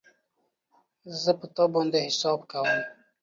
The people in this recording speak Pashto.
زه په تا باندی حساب کوم